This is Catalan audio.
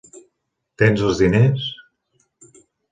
Tens els diners.